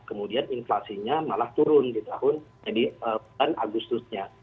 kemudian inflasinya malah turun di tahun agustusnya